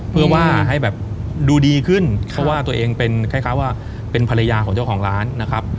เพื่อว่าให้แบบดูดีขึ้นเพราะว่าตัวเองเป็นคล้ายว่าเป็นภรรยาของเจ้าของร้านนะครับ